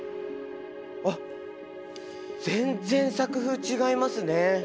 あっ全然作風違いますね。